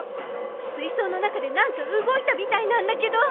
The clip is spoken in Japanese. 水槽の中で何か動いたみたいなんだけど。